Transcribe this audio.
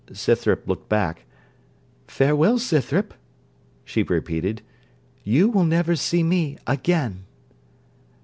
Scythrop looked back. 'Farewell, Scythrop,' she repeated, 'you will never see me again.'